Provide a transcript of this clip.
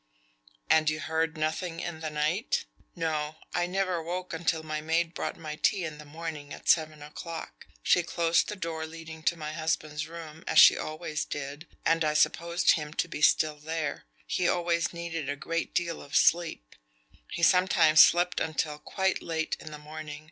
"And you heard nothing in the night?" "No; I never woke until my maid brought my tea in the morning at seven o'clock. She closed the door leading to my husband's room, as she always did, and I supposed him to be still there. He always needed a great deal of sleep. He sometimes slept until quite late in the morning.